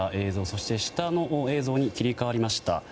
そして、下の映像に切り替わりました。